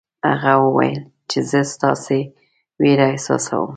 هغه وویل چې زه ستاسې وېره احساسوم.